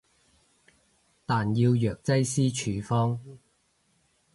但要藥劑師處方